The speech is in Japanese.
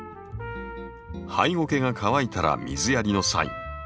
ハイゴケが乾いたら水やりのサイン。